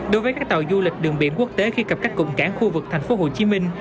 đối với các tàu du lịch đường biển quốc tế khi cập các cụm cảng khu vực thành phố hồ chí minh